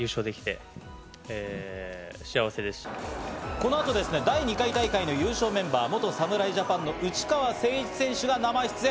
この後、第２回大会の優勝メンバー、元侍ジャパンの内川聖一選手が生出演。